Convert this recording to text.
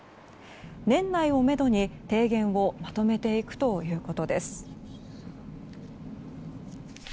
年内をめどに提言をまとめていくということです。